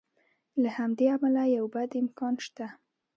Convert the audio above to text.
له همدې امله یو بد امکان شته.